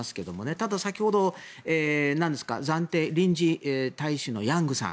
ただ、先ほど暫定臨時大使のヤングさん。